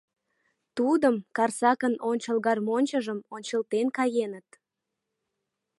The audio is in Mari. Тудым, Карсакын ончыл гармоньчыжым, ончылтен каеныт!